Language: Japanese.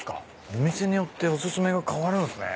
お店によってお薦めが変わるんすね。